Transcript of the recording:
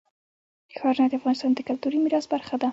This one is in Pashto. ښارونه د افغانستان د کلتوري میراث برخه ده.